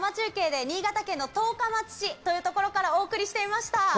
全編生中継で新潟県の十日町市というところからお送りしていました。